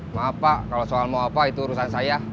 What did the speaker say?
mau apa kalau soal mau apa itu urusan saya